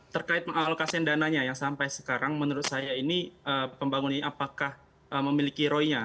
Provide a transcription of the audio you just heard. terkait mengalokasikan dananya yang sampai sekarang menurut saya ini pembangunan ini apakah memiliki roy nya